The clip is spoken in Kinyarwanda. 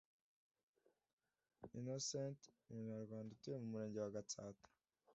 inosenti umunyarwanda utuye mu murenge wa gtsata